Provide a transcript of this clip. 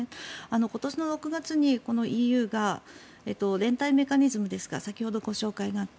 今年の６月にＥＵが連帯メカニズムですか先ほど紹介があった。